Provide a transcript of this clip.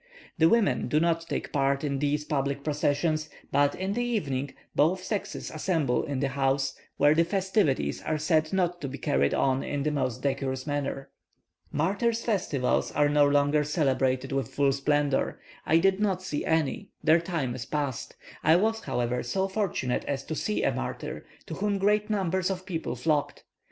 The women do not take part in these public processions; but, in the evening, both sexes assemble in the houses, where the festivities are said not to be carried on in the most decorous manner. Martyrs' festivals are no longer celebrated with full splendour. I did not see any; their time is past. I was, however, so fortunate as to see a martyr, to whom great numbers of people flocked.